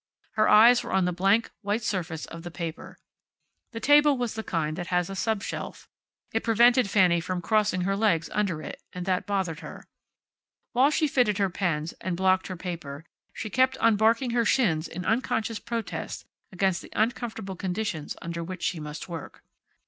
Her eyes were on the blank white surface of the paper. The table was the kind that has a sub shelf. It prevented Fanny from crossing her legs under it, and that bothered her. While she fitted her pens, and blocked her paper, she kept on barking her shins in unconscious protest against the uncomfortable conditions under which she must work.